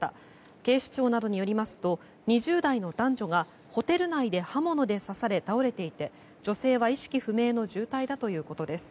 警視庁などによりますと２０代の男女がホテル内で刃物で刺されて倒れて行って女性は意識不明の重体だということです。